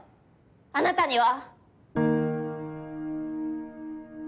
あなたには！